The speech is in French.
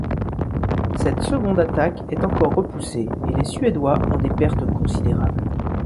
Cette seconde attaque est encore repoussée, et les Suédois ont des pertes considérables.